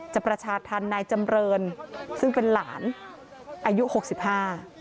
ประชาธรรมนายจำเรินซึ่งเป็นหลานอายุหกสิบห้า